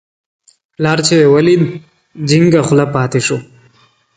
پلار چې یې ولید، جینګه خوله پاتې شو.